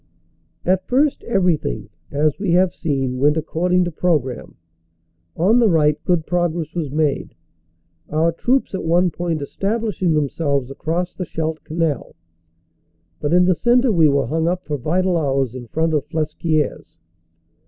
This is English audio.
At first everything, :is we have seen, went according to pro gramme. On the right good progress was made, our troops at one point establishing themselves across the Scheldt Canal. But in the centre we were hung up for vital hours in front of Flesquieres.